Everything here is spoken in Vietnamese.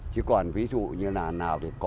chứ còn ví dụ như là nào được coi